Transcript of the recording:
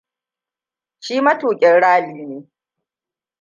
Shi matuƙin rally ne.